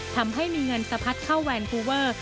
ทำให้มีเงินสะพัดเข้าแวนคูเวอร์